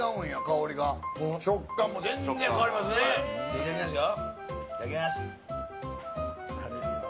いただきますよ。